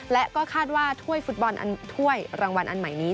และก็คาดว่าถ้วยฟุตบอลถ้วยรางวัลอันใหม่นี้